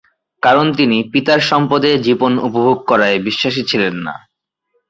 কারণ তিনি পিতার সম্পদে জীবন উপভোগ করায় বিশ্বাসী ছিলেন না।